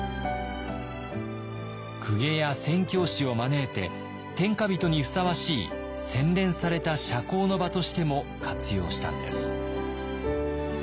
公家や宣教師を招いて天下人にふさわしい洗練された社交の場としても活用したんです。